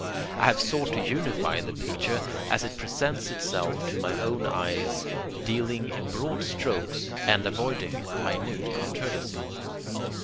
I have sought to unify the picture as it presents itself to my own eyes, dealing in broad strokes, and avoiding minute controversy.